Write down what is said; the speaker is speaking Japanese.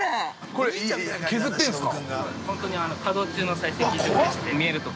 ◆これ、削ってるんですか。